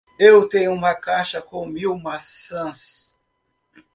Eu tenho uma caixa com mil maçãs